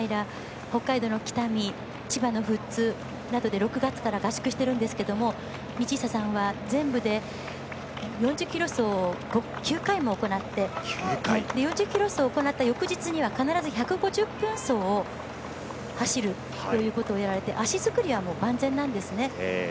北海道、千葉の富津などで６月から合宿してるんですけど道下さんは、全部で４０ｋｍ走を９回も行って４０ｋｍ走を行ったあとにはそのあと１５０分走を走るということをやられて足作りは万全なんですね。